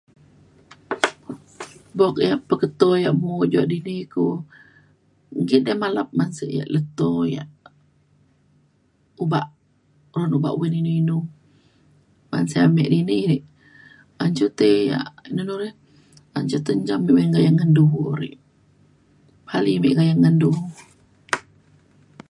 bok ia' peketo ia' pengujo di di ku mungkin ia' malap masa ia' leto ia' ubak [unintelligible] ubak uyan inu inu [unintelligible] an cuti ia' inu nu rei an cu bek menjam ngendu ngendu uri palei me layan ngendu